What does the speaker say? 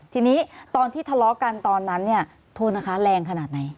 ทีนี้ตอนที่ทะเลาะกันตอนนั้นเนี่ยโทษนะคะแรงขนาดไหน